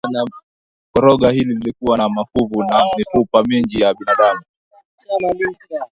korongo hili lilikuwa na mafuvu na mifupa mingi ya binadamu